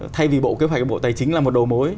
thay vì bộ kế hoạch bộ tài chính là một đầu mối